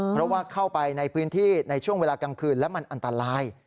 เพราะว่าเข้าไปในพื้นที่ในช่วงเวลากลางคืนแล้วมันอันตราย